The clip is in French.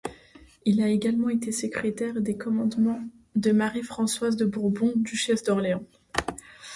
Il a également été secrétaire des commandements de Marie-Françoise de Bourbon, duchesse d'Orléans.